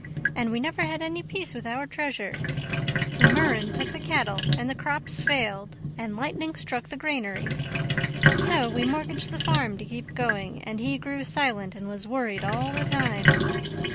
And we never had any peace with our treasure. The murrain took the cattle, and the crops failed. And lightning struck the granary. So we mortgaged the farm to keep going. And he grew silent and was worried all the time.